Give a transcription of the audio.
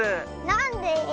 なんで？